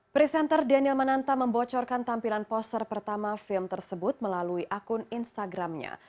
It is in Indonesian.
presenter daniel mananta membocorkan tampilan poster pertama film tersebut melalui akun instagramnya